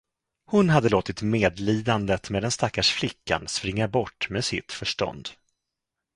Hon hade låtit medlidandet med den stackars flickan springa bort med sitt förstånd.